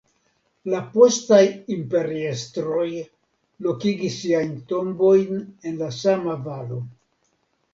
La postaj imperiestroj lokigis siajn tombojn en la sama valo.